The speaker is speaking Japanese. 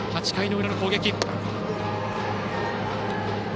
８回の裏の攻撃。